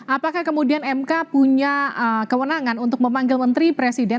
apakah kemudian mk punya kewenangan untuk memanggil menteri presiden